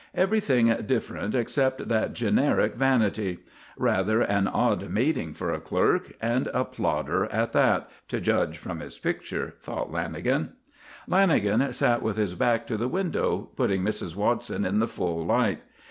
Everything different except that generic vanity. Rather an odd mating for a clerk, and a plodder at that, to judge from his picture," thought Lanagan. Lanagan sat with his back to the window, putting Mrs. Watson in the full light.